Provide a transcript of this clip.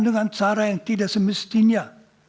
dengan cara yang tidak semestinya